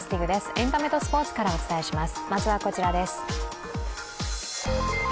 エンタメとスポーツからお伝えします。